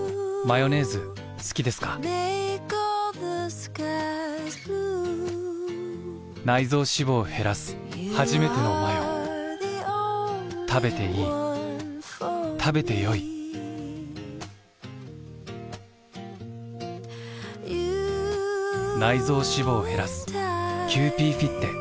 ヨネーズ好きですか臓脂肪を減らすはじめてのマヨべていい食べてよいキユーピーフィッテ」